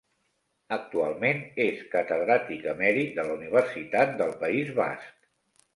Actualment és catedràtic emèrit de la Universitat del País Basc.